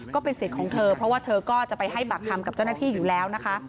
ก็เป็นสิทธิ์ของเธอเพราะว่าเธอก็จะไปให้ปากคำกับเจ้าหน้าที่อยู่แล้วนะคะ